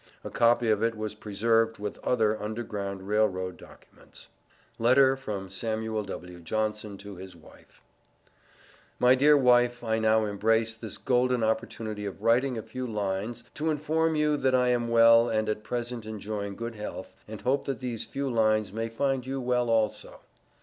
A copy of it was preserved with other Underground Rail Road documents. LETTER FROM SAMUEL W. JOHNSON TO HIS WIFE. My Dear Wife I now embrace this golden opportunity of writing a few Lines to inform you that I am well at present engoying good health and hope that these few lines may find you well also.